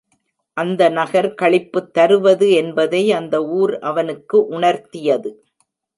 அந்த நகர் களிப்புத்தருவது என்பதை அந்த ஊர் அவனுக்கு உணர்த்தியது.